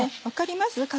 分かります？